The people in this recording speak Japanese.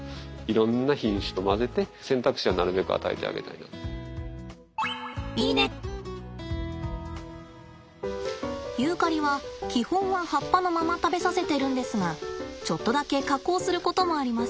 野生の動物ですからユーカリは基本は葉っぱのまま食べさせてるんですがちょっとだけ加工することもあります。